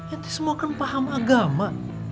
etnis semua kan paham agama